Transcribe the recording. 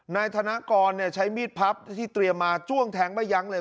นายธนกรใช้มีดพับที่เตรียมมาจ้วงแทงไม่ยั้งเลย